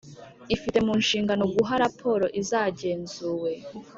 ifite mu nshingano guha raparo izagenzuwe.